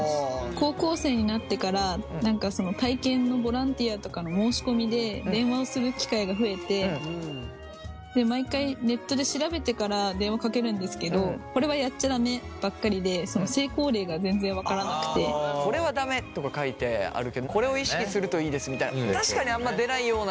高校生になってから何かその体験のボランティアとかの申し込みで電話をする機会が増えて毎回ネットで調べてから電話かけるんですけど「これはダメ」とか書いてあるけど「これを意識するといいです」みたいな確かにあんま出ないような。